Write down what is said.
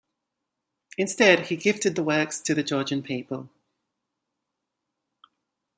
Instead, he gifted the works to the Georgian people.